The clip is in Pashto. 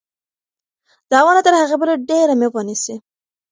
دا ونه تر هغې بلې ډېره مېوه نیسي.